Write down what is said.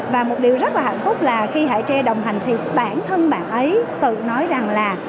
và một điều rất là hạnh phúc là khi hệ tre đồng hành thì bản thân bạn ấy tự nói rằng là